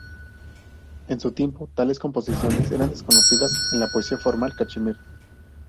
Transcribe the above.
En su tiempo, tales composiciones eran desconocidas en la poesía formal cachemir.